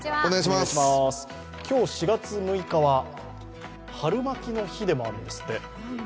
今日、４月６日は春巻きの日でもあるんですって。